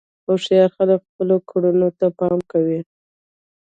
هوښیار خلک خپلو کړنو ته پام کوي.